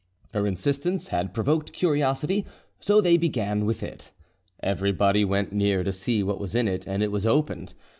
Her insistence had provoked curiosity, so they began with it. Everybody went near to see what was in it, and it was opened.